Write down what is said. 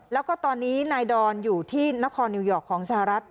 แล้วก็ตอนนี้นายดอนอยู่ที่นครนิวยอร์กของสหรัฐ